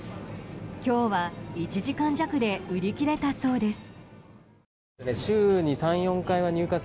今日は１時間弱で売り切れたそうです。